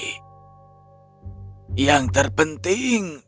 dia sudah berhasil menemukan kemahiran